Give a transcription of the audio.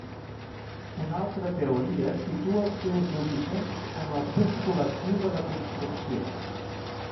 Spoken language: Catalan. Una altra teoria situa els seus orígens en els d'un col·lectiu de la construcció.